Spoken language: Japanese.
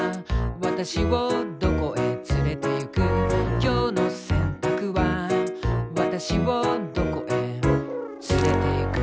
「私をどこへ連れていく」「きょうの選択は私をどこへ連れていく」